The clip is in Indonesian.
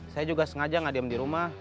saya juga sengaja gak diem dirumah